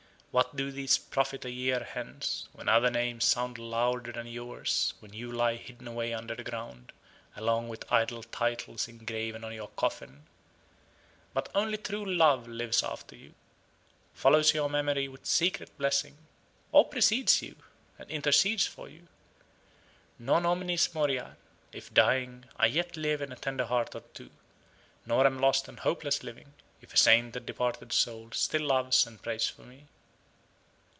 What do these profit a year hence, when other names sound louder than yours, when you lie hidden away under the ground, along with idle titles engraven on your coffin? But only true love lives after you follows your memory with secret blessing or precedes you, and intercedes for you. Non omnis moriar if dying, I yet live in a tender heart or two; nor am lost and hopeless living, if a sainted departed soul still loves and prays for me.